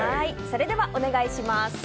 それではお願いします。